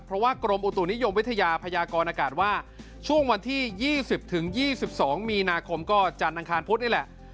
เพราะว่ากรมอุตุนิยมวิทยาพยากรอากาศว่าช่วงวันที่๒๐๒๒มีนาคมก็จันทร์อังคารพุธนี่แหละ